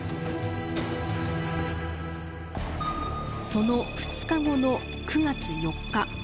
その２日後の９月４日。